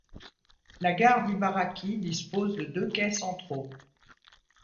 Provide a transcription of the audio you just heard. La gare d'Ibaraki dispose de deux quais centraux.